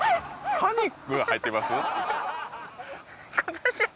「パニック」が入ってきます？